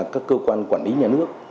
các cơ quan quản lý nhà nước